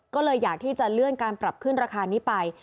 ก็เลยอยากที่จะเลื่อนการปรับขึ้นราคานี้ไป